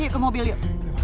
yuk ke mobil yuk